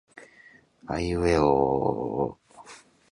あいうえおおお